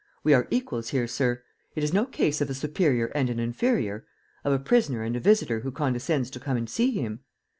We are equals here, sir: it is no case of a superior and an inferior, of a prisoner and a visitor who condescends to come and see him.